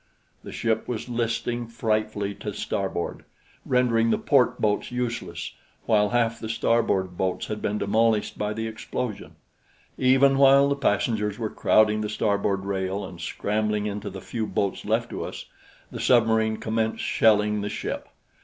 The ship was listing frightfully to starboard, rendering the port boats useless, while half the starboard boats had been demolished by the explosion. Even while the passengers were crowding the starboard rail and scrambling into the few boats left to us, the submarine commenced shelling the ship.